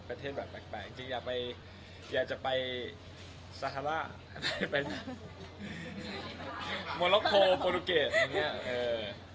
ประเทศแบบแปลกจริงอยากจะไปสาธารณะไปมลักโทโฟลูเกสอย่างเนี่ย